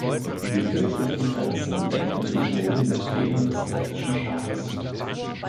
Die kirchlichen Grenzen deckten sich nun mit denen des lettischen Staates.